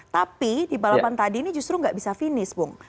tapi di balapan tadi ini justru nggak bisa finish bung